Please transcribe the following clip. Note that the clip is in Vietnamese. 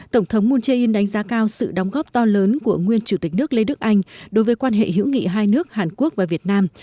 tổng thống moon jae in đánh giá cao sự đóng góp to lớn của nguyên chủ tịch nước lê đức anh đối với quan hệ hữu nghị hai nước hàn quốc và việt nam